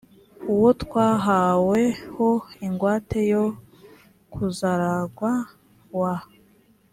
uwo twahawe ho ingwate yo kuzaragwa wa